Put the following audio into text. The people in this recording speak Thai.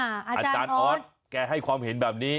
อาจารย์ออสแกให้ความเห็นแบบนี้